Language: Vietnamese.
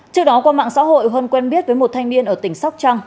trước đó qua mạng xã hội huân quen biết với một thanh niên ở tỉnh sóc trăng